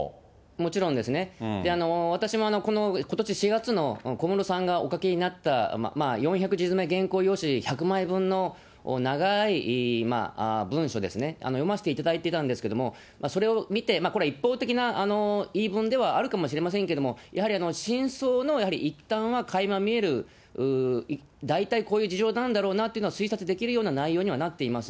もちろんですね、私もことし４月の小室さんがお書きになった、４００字詰め原稿用紙１００枚分の長い文書ですね、読ませていただいてたんですけれども、それを見て、これは一方的な言い分ではあるかもしれませんけれども、やはり真相の一端はかいま見える、大体こういう事情なんだろうなというのが推察できるような内容にはなっています。